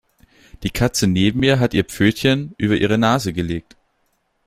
Die Katze neben mir hat ihr Pfötchen über ihre Nase gelegt.